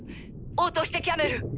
応答してキャメル！